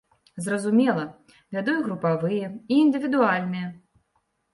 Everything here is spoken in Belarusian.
Зразумела, вяду і групавыя, і індывідуальныя.